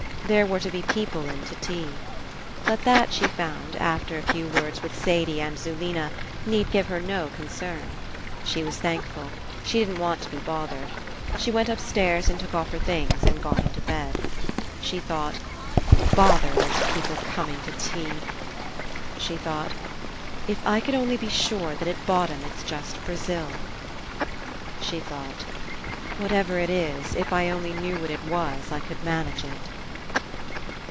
There were to be people in to tea. But that, she found, after a few words with Sadie and Zulena, need give her no concern. She was thankful. She didn't want to be bothered. She went upstairs and took off her things and got into bed. She thought: "Bother those people coming to tea !" She thought: "If I could only be sure that at bottom it's just Brazil." 154 FINALE She thought : "Whatever It is, if I only knew what it was, I could manage it."